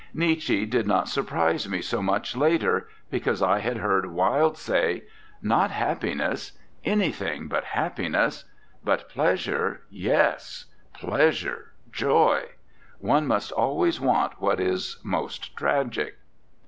Nietzsche did not surprise me so much, later, because I had heard Wilde say: "Not happiness! Anything but happiness! But pleasure, yes; pleasure, joy! One must always want what is most tragic."